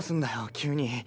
急に。